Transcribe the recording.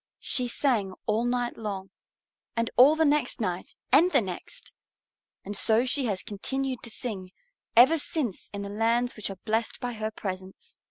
she sang all night long, and all the next night and the next. And so she has continued to sing ever since in the lands which are blessed by her presence.